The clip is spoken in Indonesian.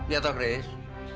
ya tak chris